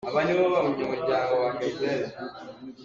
Na fa kha a hnuk a haal i an hlam lengmang.